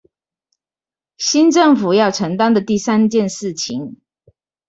新政府要承擔的第三件事情